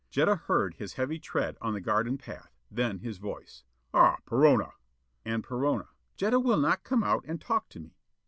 Jetta heard his heavy tread on the garden path, then his voice: "Ah, Perona." And Perona: "Jetta will not come out and talk to me."